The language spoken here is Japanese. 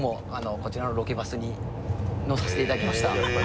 こちらのロケバスに乗せさせていただきました。